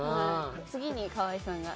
次に河井さんが。